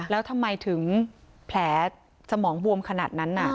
แล้วทำไมถึงแผลสมองบวมขนาดนั้น